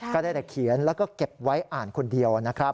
ก็ได้แต่เขียนแล้วก็เก็บไว้อ่านคนเดียวนะครับ